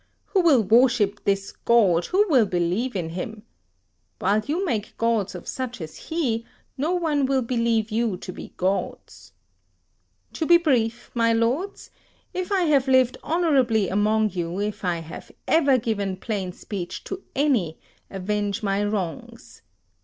who will worship this god, who will believe in him? While you make gods of such as he, no one will believe you to be gods. To be brief, my lords: if I have lived honourably among you, if I have never given plain speech to any, avenge my wrongs.